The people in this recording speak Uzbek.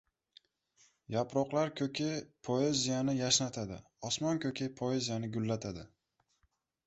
Yaproqlar ko‘ki poeziyani yashnatadi, osmon ko‘ki poeziyani gullatadi.